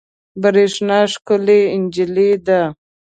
برېښنا ښکلې انجلۍ ده